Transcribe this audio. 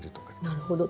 なるほど。